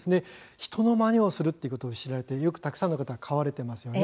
人のまねをするということで知られ、たくさんの方が飼われていますよね。